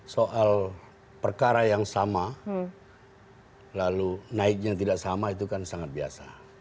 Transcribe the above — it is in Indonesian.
soal perkara yang sama lalu naiknya tidak sama itu kan sangat biasa